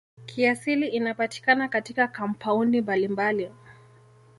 Kiasili inapatikana katika kampaundi mbalimbali.